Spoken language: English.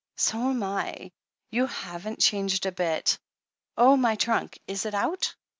"So am I! You haven't changed a bit Oh, my trunk! Is it out?"